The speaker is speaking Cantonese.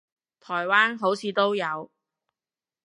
台灣好似都有